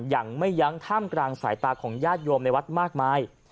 อย่างไม่ยั้งท่ามกลางสายตาของญาติโยมในวัดมากมาย